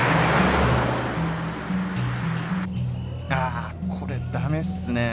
あこれ駄目っすね。